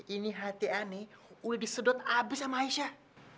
ini hati ani udah disedot abis sama aisyah